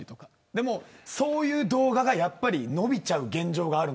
でも、そういう動画がやっぱり伸びちゃう現状がある。